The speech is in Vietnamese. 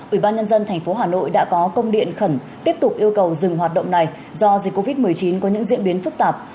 ủy ban nhân dân tp hà nội đã có công điện khẩn tiếp tục yêu cầu dừng hoạt động này do dịch covid một mươi chín có những diễn biến phức tạp